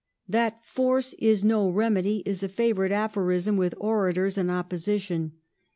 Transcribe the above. That " force is no remedy " is a favourite aphorism with orators in opposition.